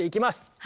はい！